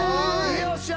よっしゃ！